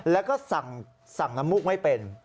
แล้วก็สั่งน้ำมูกไม่เป็น